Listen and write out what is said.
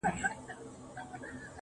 د مسجد په منارو درپسې ژاړم,